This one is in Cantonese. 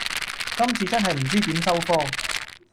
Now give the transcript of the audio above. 今次真係唔知點收科